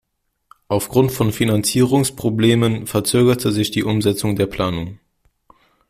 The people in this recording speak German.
Aufgrund von Finanzierungsproblemen verzögerte sich die Umsetzung der Planung.